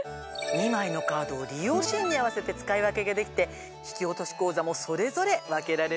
２枚のカードを利用シーンに合わせて使い分けができて引き落とし口座もそれぞれ分けられるのよ。